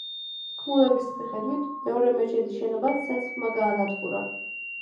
თქმულების მიხედვით, მეორე მეჩეთის შენობაც ცეცხლმა გაანადგურა.